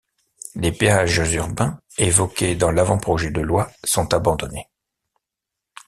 Les péages urbains évoqués dans l'avant-projet de loi sont abandonnés.